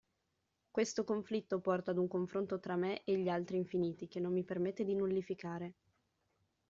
Questo conflitto porta ad un confronto tra me e gli altri infiniti che non mi permette di nullificare.